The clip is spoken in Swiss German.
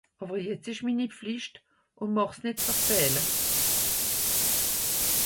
Àwwer jetzt ìsch's mini Pflìcht ùn mächt's nìtt verfähle.